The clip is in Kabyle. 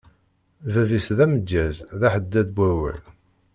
Bab-is d amedyaz d aḥeddad n wawal.